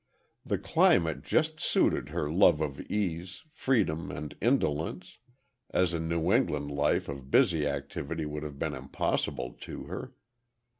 The climate just suited her love of ease, freedom and indolence—as a New England life of busy activity would have been impossible to her.